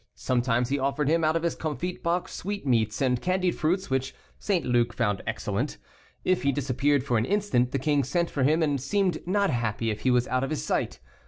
Sometimes he offered him out of his comfit box sweetmeats and candied fruits, which St. Luc found excellent. If he disappeared for an instant, the king sent for him, and seemed not happy if he was out of his sight.